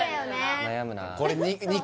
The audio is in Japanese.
悩むな